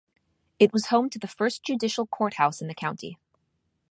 It was home to the first judicial courthouse in the county.